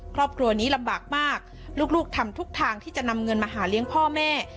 ครอบครัวนี้ลำบากมากลูกทำทุกทางที่จะนำเงินมาหาเลี้ยงพ่อแม่